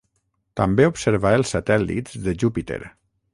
També observà els satèl·lits de Júpiter.